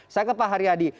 saya ke pak haryadi